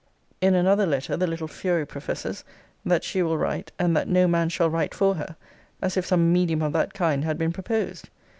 In another letter,* the little fury professes, 'that she will write, and that no man shall write for her,' as if some medium of that kind had been proposed.